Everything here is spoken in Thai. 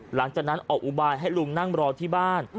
หลังจากนั้นออกอุบายให้ลุงนั่งรอที่บ้าน